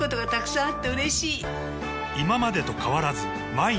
今までと変わらず毎日できる！